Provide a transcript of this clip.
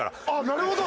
なるほど！